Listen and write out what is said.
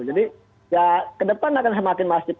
jadi ya ke depan akan semakin masif